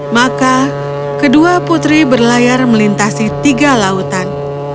maka kedua putri berlayar melintasi tiga lautan